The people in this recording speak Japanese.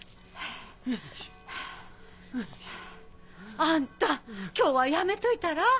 あんた今日はやめといたら？